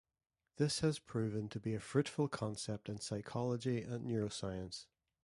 This has proven to be a fruitful concept in psychology and neuroscience.